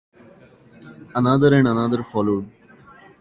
Another and another followed.